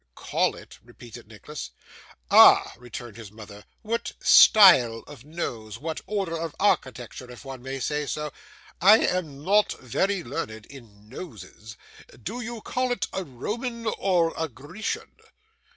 'Call it?' repeated Nicholas. 'Ah!' returned his mother, 'what style of nose? What order of architecture, if one may say so. I am not very learned in noses. Do you call it a Roman or a Grecian?